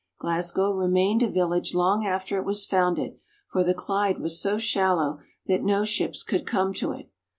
Glasgow remained a village long after it was founded, for the Clyde was so shallow that no ships could come to it.